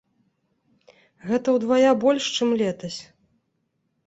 Гэта ўдвая больш, чым летась.